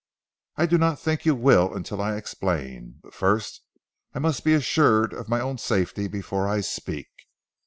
"I do not think you will until I explain. But first I must be assured of my own safety before I speak."